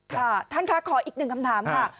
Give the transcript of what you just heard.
ค่ะท่านคะขออีกหนึ่งคำถามค่ะ